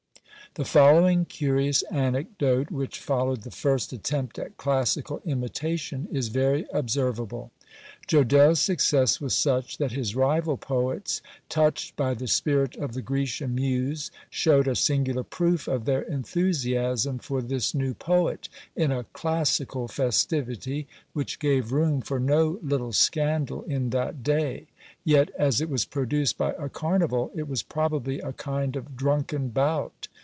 The following curious anecdote, which followed the first attempt at classical imitation, is very observable. Jodelle's success was such, that his rival poets, touched by the spirit of the Grecian muse, showed a singular proof of their enthusiasm for this new poet, in a classical festivity which gave room for no little scandal in that day; yet as it was produced by a carnival, it was probably a kind of drunken bout.